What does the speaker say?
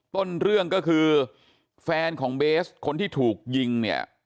ต้นเรื่องก็คือแฟนของเบสคนที่ถูกยิงเนี่ย